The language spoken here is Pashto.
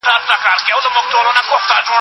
کېدای سي انځور تاريک وي.